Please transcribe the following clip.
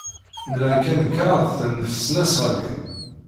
Nla kan kraḍt n tesnasɣalin.